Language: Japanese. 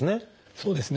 そうですね。